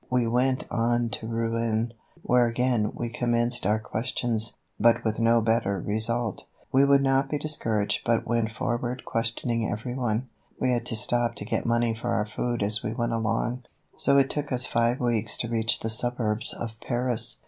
We went on to Rouen, where again we commenced our questions, but with no better result. We would not be discouraged but went forward questioning every one. We had to stop to get money for our food as we went along, so it took us five weeks to reach the suburbs of Paris.